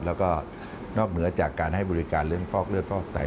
แล้วก็นอกเหนือจากการให้บริการเรื่องฟอกเลือดฟอกไต